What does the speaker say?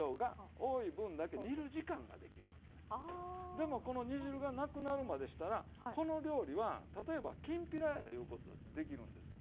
でもこの煮汁がなくなるまでしたらこの料理は例えばきんぴらやいうことだってできるんです。